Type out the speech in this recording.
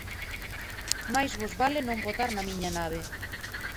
Máis vos vale non potar na miña nave.